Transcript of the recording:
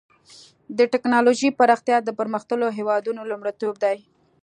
د ټکنالوجۍ پراختیا د پرمختللو هېوادونو لومړیتوب دی.